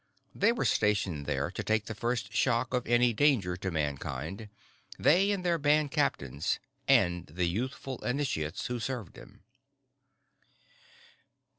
They were stationed there to take the first shock of any danger to Mankind, they and their band captains and the youthful initiates who served them.